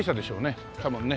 多分ね。